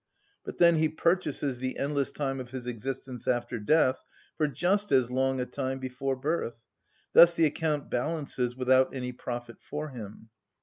But then he purchases the endless time of his existence after death for just as long a time before birth; thus the account balances without any profit for him.